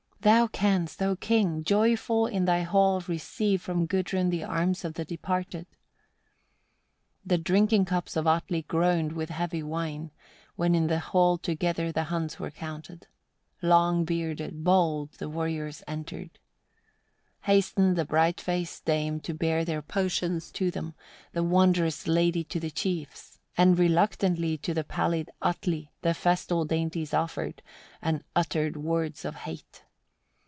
"Thou canst, O King! joyful in thy hall receive from Gudrun the arms of the departed." 34. The drinking cups of Atli groaned with wine heavy, when in the hall together the Huns were counted. Long bearded, bold, the warriors entered. 35. Hastened the bright faced dame to bear their potions to them, the wondrous lady to the chiefs; and reluctantly to the pallid Atli the festal dainties offered, and uttered words of hate.